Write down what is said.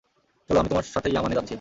চল, আমি তোমার সাথে ইয়ামানে যাচ্ছি।